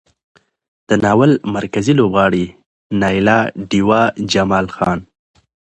د ناول مرکزي لوبغاړي نايله، ډېوه، جمال خان،